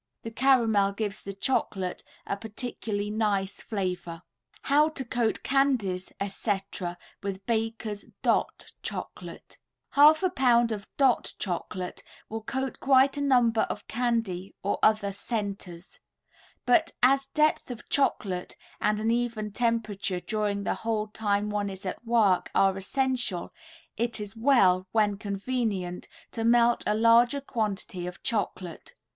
The caramel gives the chocolate a particularly nice flavor. HOW TO COAT CANDIES, &c., WITH BAKER'S "DOT" CHOCOLATE Half a pound of "Dot" Chocolate will coat quite a number of candy or other "centers," but as depth of chocolate and an even temperature during the whole time one is at work are essential, it is well, when convenient, to melt a larger quantity of chocolate.